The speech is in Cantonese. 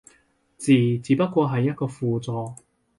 字只不過係一個輔助